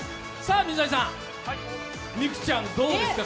水谷さん、美空ちゃん、サーブはどうですか。